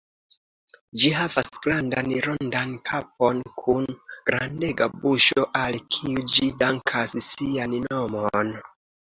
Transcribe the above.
Ĝi havas grandan, rondan kapon kun grandega buŝo, al kiu ĝi dankas sian nomon.